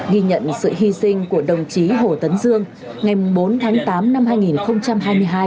ghi nhận sự hy sinh của đồng chí hồ tấn dương ngày bốn tháng tám năm hai nghìn hai mươi hai